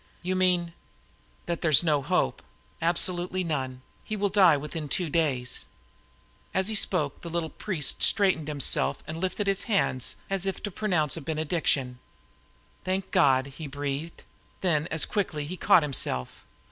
"You mean " "That there is no hope absolutely none. He will die within two days." As he spoke, the little priest straightened himself and lifted his hands as if about to pronounce a benediction. "Thank God!" he breathed. Then, as quickly, he caught himself.